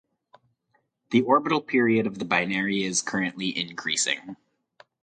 The orbital period of the binary is currently increasing.